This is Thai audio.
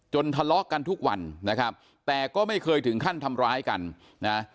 ทะเลาะกันทุกวันนะครับแต่ก็ไม่เคยถึงขั้นทำร้ายกันนะ